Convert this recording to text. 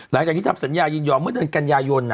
หลังจากที่ทำสัญญายินยอมเมื่อเดือนกันยายน